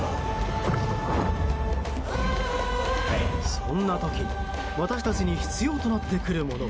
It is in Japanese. そんな時私たちに必要となってくるもの。